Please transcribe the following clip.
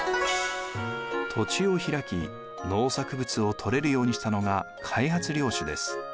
土地をひらき農作物をとれるようにしたのが開発領主です。